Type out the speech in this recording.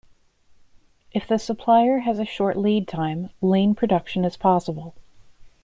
If the supplier has a short lead time, lean production is possible.